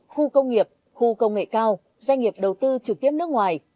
khu công nghiệp khu công nghệ cao doanh nghiệp đầu tư trực tiếp nước ngoài